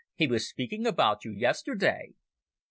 "He was speaking about you yesterday."